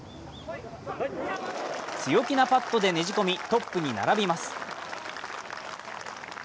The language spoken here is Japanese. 強気なパットでねじ込み、トップに並びます。